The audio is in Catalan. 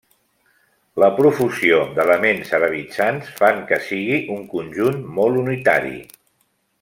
La profusió d'elements arabitzants fan que sigui un conjunt molt unitari.